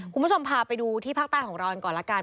คุณผู้ชมพาไปดูที่ภาคใต้ของเรากันก่อนละกัน